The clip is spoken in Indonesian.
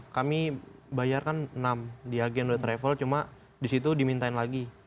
kami bayarkan enam di agen travel cuma di situ diminta lagi